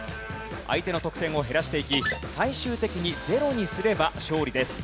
相手の得点を減らしていき最終的にゼロにすれば勝利です。